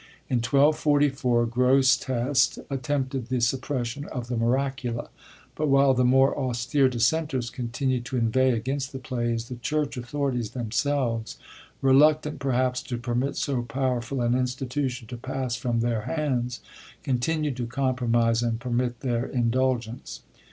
In 1244, Grosseteste attempted the suppression of the TTiiroott^a, but while the more austere dissenters continued to inveigh against the plays, the church authorities themselves — reluctant, perhaps, to permit BO powerful an institution to pass from their hands — continued to compromise and permit thdor in dulgence.